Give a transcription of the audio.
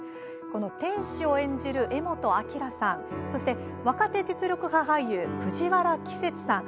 店主を演じる柄本明さんそして若手実力派俳優藤原季節さん。